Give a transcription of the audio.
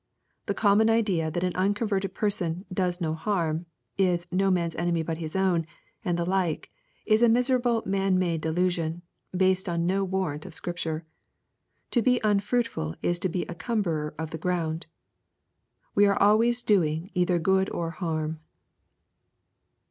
The common idea that an unconverted person " does no harm," — is " no man's enemy but his own," — and the like, is & miserable man made delusion, based on no warrant of Scripture. To be unfruitful is to be a cumberer of the ground. We are always doing either good or harm.